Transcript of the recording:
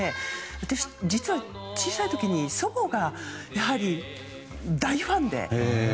私、実は小さい時に祖母が大ファンで。